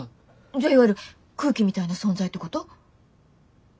じゃあいわゆる空気みたいな存在ってこと？